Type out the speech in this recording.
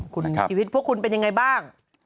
คุณชีวิตพวกคุณเป็นยังไงบ้าง